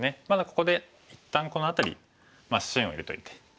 ここで一旦この辺り芯を入れておいて。